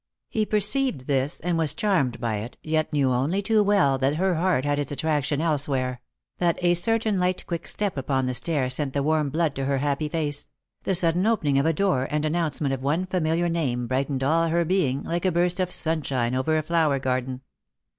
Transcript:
He perceived this, and was charmed by it, yet knew only too well that her heart had its attraction else where ; that a certain light quick step upon the stair sent the warm blood to her happy face ; the sudden opening of a door and announcement of one familiar name brightened all her being like a burst of sunshine over a flower garden.